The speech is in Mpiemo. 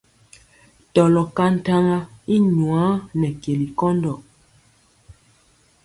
Tɔlɔ ka ntaŋa i nwaa nɛ keli nkɔndɔ.